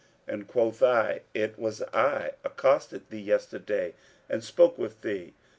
and quoth I, 'It was I accosted thee yesterday and spoke with thee.'